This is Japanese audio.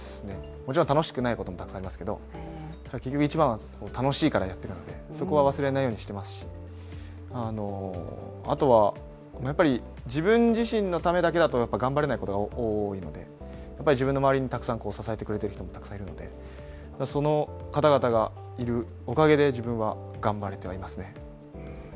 もちろん楽しくないこともたくさんありますけど結局一番は楽しいからやっているのでそこは忘れないようにしているしあとは、自分自身のためだけだと頑張れないことが多いのでやっぱり自分の周りに支えてくれてる人もたくさんいるのでその方々がいるおかげで自分は頑張れてはいますね。